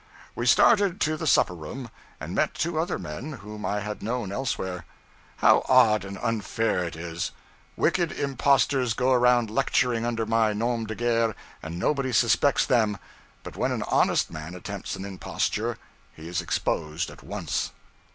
We started to the supper room, and met two other men whom I had known elsewhere. How odd and unfair it is: wicked impostors go around lecturing under my Nom De Guerre and nobody suspects them; but when an honest man attempts an imposture, he is exposed at once.